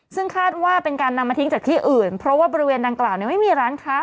ซึ่งคาดว่าเป็นการนำมาทิ้งจากที่อื่นเพราะว่าบริเวณดังกล่าวไม่มีร้านค้า